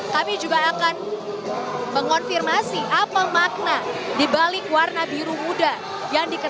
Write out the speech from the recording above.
kami juga akan mengonfirmasi apa makna dibalik warna biru muda yang dikenal